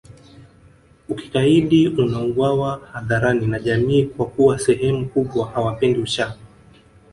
Ukikaidi unauwawa hadharani na jamii kwa kuwa sehemu kubwa hawapendi uchawi